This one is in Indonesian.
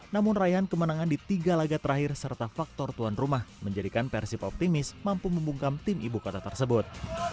namun rayaan kemenangan di tiga laga terakhir serta faktor tuan rumah menjadikan persib optimis mampu membungkam tim ibu kota tersebut